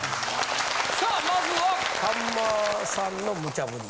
さあまずはさんまさんの無茶ぶり。